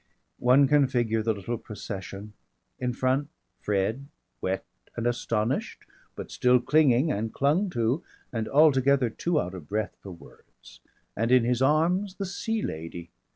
One can figure the little procession. In front Fred, wet and astonished but still clinging and clung to, and altogether too out of breath for words. And in his arms the Sea Lady.